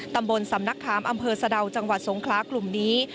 ตำบลสำนักขามอำเภอสะดาวจังหวัดสงคลากลุ่มนี้